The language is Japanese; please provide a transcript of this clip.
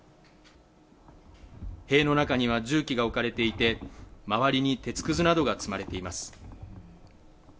塀の中には重機が置かれていて、周りに鉄くずなどが積まれています。